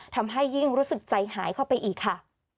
ทำให้ยิ่งรู้สึกใจหายเข้าไปอีกค่ะ